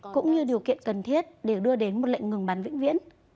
cũng như điều kiện cần thiết để đưa đến một lệnh ngừng bắn vĩnh viễn